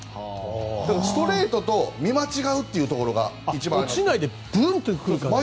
ストレートと見間違うというところが一番なんです。